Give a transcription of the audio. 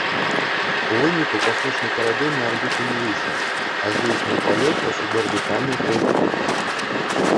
У выніку касмічны карабель на арбіту не выйшаў, а здзейсніў палёт па субарбітальнай траекторыі.